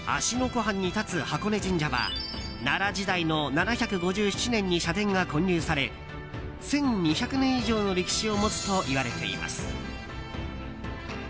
湖畔に立つ箱根神社は奈良時代の７５７年に社殿が建立され１２００年以上の歴史を持つといわれています。